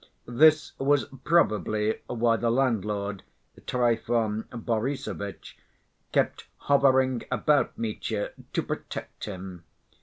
This was probably why the landlord, Trifon Borissovitch, kept hovering about Mitya to protect him.